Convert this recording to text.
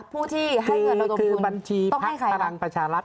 ผู้ที่ให้เงินรวมทุนต้องให้ใครคะคือบัญชีพัฒน์ภักดาลังประชารัฐ